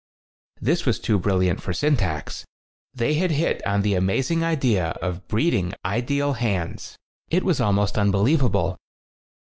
This was too brilliant for syntax. They had hit on the amazing idea of 11 breeding ideal hands. It was almost unbelievable.